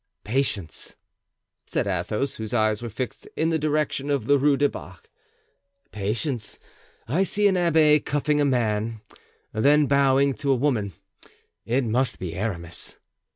"Patience," said Athos, whose eyes were fixed in the direction of the Rue du Bac, "patience; I see an abbé cuffing a man, then bowing to a woman; it must be Aramis."